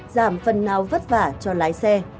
giảm phần nào vất vả cho lái xe